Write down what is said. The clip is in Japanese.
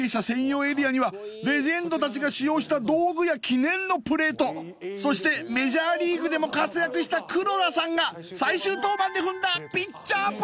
専用エリアにはレジェンド達が使用した道具や記念のプレートそしてメジャーリーグでも活躍した黒田さんが最終登板で踏んだピッチャー